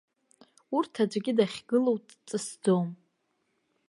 Урҭ аӡәгьы дахьгылоу дҵысӡом.